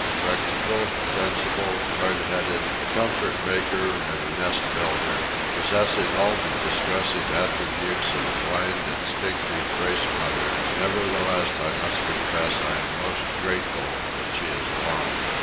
Practical, sensible, hard headed, a comfort maker and a nest builder, possessing all the distressing attributes of the blind instinctive race mother, nevertheless I must confess I am most grateful that she is along.